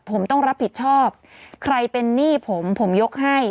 ผมต้องรับผิดชอบใครเป็นหนี้ผมผมยกให้